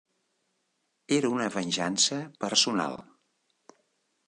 Era una venjança personal.